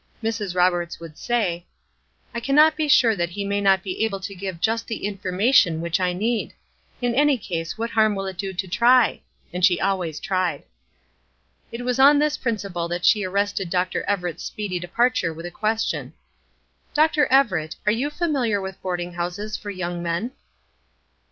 Mrs. Roberts would say: "I cannot be sure that he may not be able to give just the information which I need. In any case, what harm will it do to try?" And she always tried. It was on this principle that she arrested Dr. Everett's speedy departure with a question: "Dr. Everett, are you familiar with boarding houses for young men?"